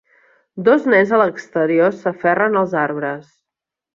Dos nens a l'exterior s'aferren als arbres.